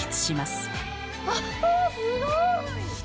あすごい！